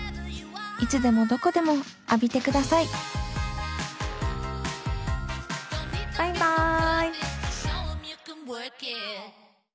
いつでもどこでも浴びてくださいバイバイ。